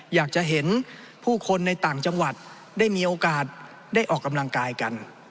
อยากจะเห็นผู้คนในต่างจังหวัดได้มีโอกาสได้ออกกำลังกายกัน